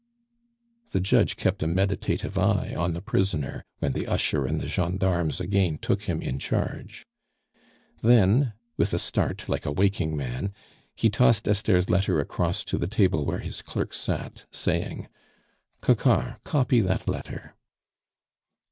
The judge kept a meditative eye on the prisoner when the usher and the gendarmes again took him in charge. Then, with a start like a waking man, he tossed Esther's letter across to the table where his clerk sat, saying: "Coquart, copy that letter."